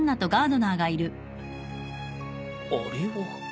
あれは。